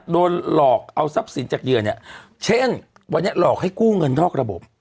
โดนหลอกเอาทรัพย์สินจากเหยื่อเนี่ยเช่นวันนี้หลอกให้กู้เงินนอกระบบ